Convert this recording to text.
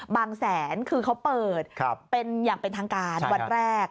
แสนคือเขาเปิดเป็นอย่างเป็นทางการวันแรก